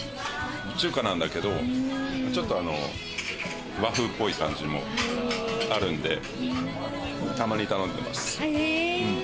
中華なんだけど、和風っぽい感じもあるんで、たまに頼んでます。